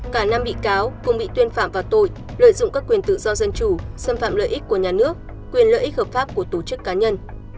cả năm bị cáo cùng bị tuyên phạm vào tội lợi dụng các quyền tự do dân chủ xâm phạm lợi ích của nhà nước quyền lợi ích hợp pháp của tổ chức cá nhân